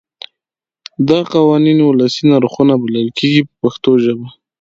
دا قوانین ولسي نرخونه بلل کېږي په پښتو ژبه.